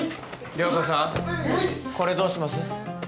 涼子さんこれどうします？